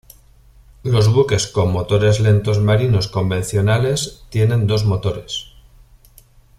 Los buques con motores lentos marinos convencionales tienen dos motores.